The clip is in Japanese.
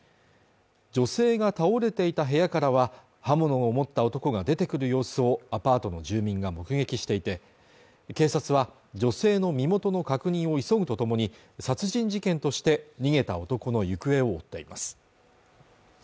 女性が倒れていた部屋からは刃物を持った男が出てくる様子をアパートの住民が目撃していて警察は女性の身元の確認を急ぐとともに殺人事件として逃げた男の行方を追っています